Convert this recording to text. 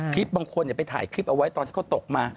บางคนไปถ่ายคลิปเอาไว้ตอนที่เขาตกมา